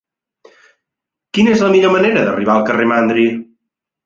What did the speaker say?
Quina és la millor manera d'arribar al carrer de Mandri?